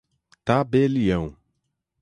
tabelião